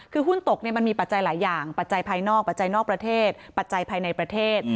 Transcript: คือหุ้นตกมันมีปัจจัยหลายอย่างปัจจัยภายนอกปัจจัยนอกประเทศปัจจัยภายในประเทศ